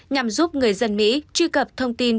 nhằm giúp người dân mỹ truy cập thông tin